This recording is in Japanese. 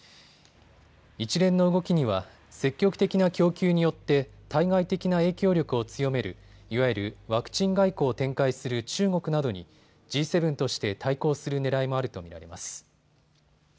一連の動きには積極的な供給によって対外的な影響力を強めるいわゆるワクチン外交を展開する中国などにＧ７として対抗するねらいもあると見られます。